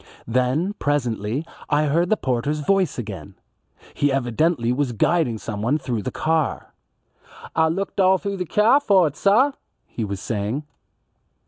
Then presently I heard the porter's voice again. He evidently was guiding someone through the car. "Ah looked all through the kyar for it, sah," he was saying.